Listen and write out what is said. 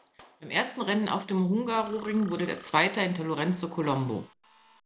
Beim ersten Rennen auf dem Hungaroring wurde er Zweiter hinter Lorenzo Colombo.